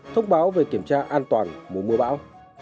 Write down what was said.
thông báo về kiểm tra an toàn mùa mưa bão